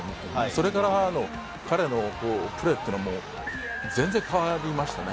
それが彼のプレーというのも全然変わりましたね。